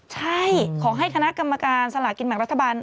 ใช่ขอให้คณะกรรมการสลากินแบ่งรัฐบาล